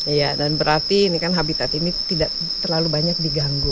iya dan berarti ini kan habitat ini tidak terlalu banyak diganggu